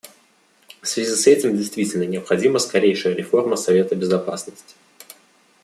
В связи с этим действительно необходима скорейшая реформа Совета Безопасности.